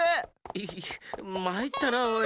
イヒッまいったなおい。